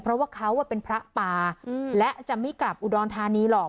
เพราะว่าเขาเป็นพระป่าและจะไม่กลับอุดรธานีหรอก